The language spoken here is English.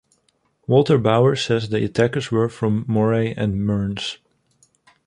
Walter Bower says the attackers were from Moray and Mearns.